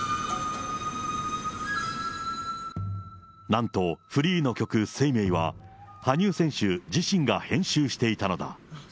なんと、フリーの曲、ＳＥＩＭＥＩは、羽生選手自身が編集していたのだ。